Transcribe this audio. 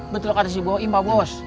betul lokasi boing pak bos